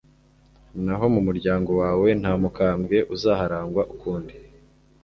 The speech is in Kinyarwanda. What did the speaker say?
naho mu muryango wawe, nta mukambwe uzaharangwa ukundi